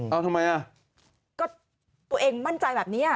เอาทำไมอ่ะก็ตัวเองมั่นใจแบบนี้อ่ะ